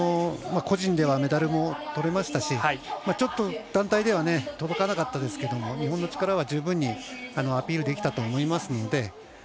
個人ではメダルもとれましたしちょっと団体では届かなかったですけど日本の力は十分にアピールできたと思いますので。